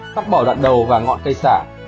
cắt bỏ đoạn đầu và ngọn cây sả